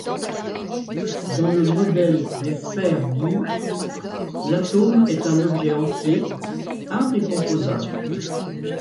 Dans le modèle des sphères dures, l’atome est un objet entier, indécomposable.